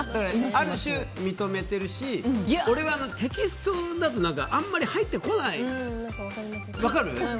ある種認めてるし俺はテキストだとあまり入ってこない。